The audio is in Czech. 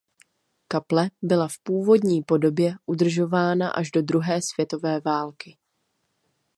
Kaple byla v původní podobě udržována až do druhé světové války.